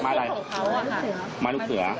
ครูพูด